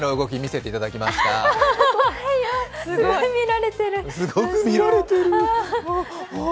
怖いよ、すごく見られてる！